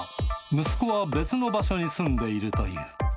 息子は別の場所に住んでいるという。